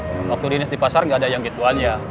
waktu dinis di pasar gak ada yang gitu aja